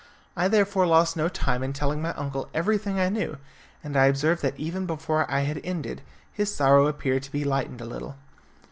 I therefore lost no time in telling my uncle everything I knew, and I observed that even before I had ended his sorrow appeared to be lightened a little.